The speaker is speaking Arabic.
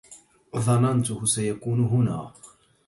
ظننته سيكون هنا.